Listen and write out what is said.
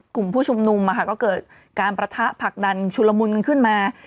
กลุ่มผู้ชุมนุมก็เกิดการประทะผลักดันชุลมุนกันขึ้นมา